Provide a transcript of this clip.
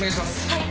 はい！